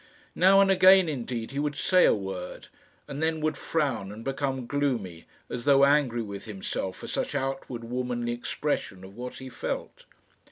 Now and again, indeed, he would say a word, and then would frown and become gloomy, as though angry with himself for such outward womanly expression of what he felt.